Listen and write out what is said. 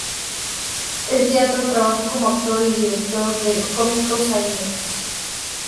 En teatro trabajó como actor y director de cómicos sainetes.